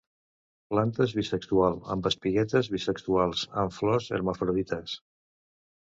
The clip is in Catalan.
Plantes bisexual, amb espiguetes bisexuals; amb flors hermafrodites.